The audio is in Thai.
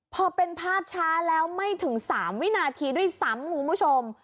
พอเป็นภาพช้าแล้วไม่ถึง๓วินาทีด้วยซ้ำคุณผู้ชม